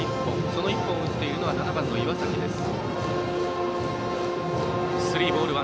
その１本を打ったのは７番の岩崎です。